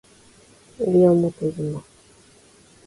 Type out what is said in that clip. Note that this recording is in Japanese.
西表島